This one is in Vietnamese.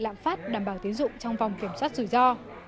lạm phát đảm bảo tiến dụng trong vòng kiểm soát rủi ro